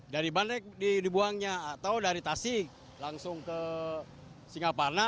dari bandak dibuangnya atau dari tasik langsung ke singaparna